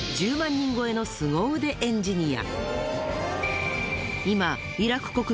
人超えのスゴ腕エンジニア。